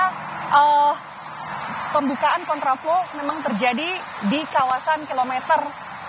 karena pembukaan kontraflow memang terjadi di kawasan kilometer tiga puluh tujuh